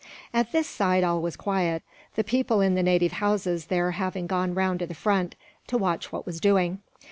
At this side all was quiet, the people in the native houses there having gone round to the front, to watch what was doing.